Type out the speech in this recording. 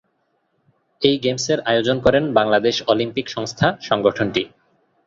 এই গেমসের আয়োজন করেন বাংলাদেশ অলিম্পিক সংস্থা সংগঠনটি।